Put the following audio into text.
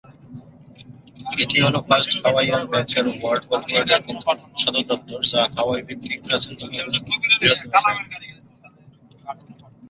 এটি হল First Hawaiian ব্যাংকের ওয়ার্ল্ড কর্পোরেট এর সদর দপ্তর যা হাওয়াই ভিত্তিক প্রাচীনতম এবং বৃহত্তম ব্যাংক।